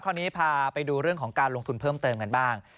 คราวนี้พาไปดูเรื่องของการลงทุนเพิ่มเติมกันบ้าง